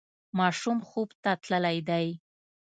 ماشوم خوب ته تللی دی.